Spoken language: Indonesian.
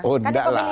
oh enggak lah